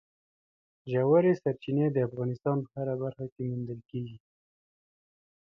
ژورې سرچینې د افغانستان په هره برخه کې موندل کېږي.